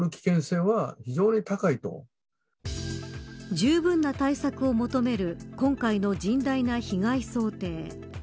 じゅうぶんな対策を求める今回の甚大な被害想定。